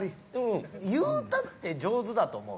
言うたって上手だと思う。